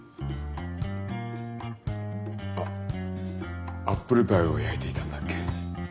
あっアップルパイを焼いていたんだっけ。